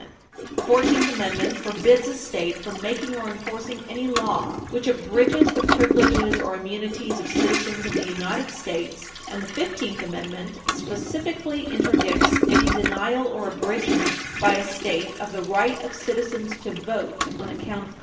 [Footnote 7] The Fourteenth Amendment forbids a state from making or enforcing any law which abridges the privileges or immunities of citizens of the United States and the Fifteenth Amendment specifically interdicts any denial or abridgement by a state of the right of citizens to vote on account of color.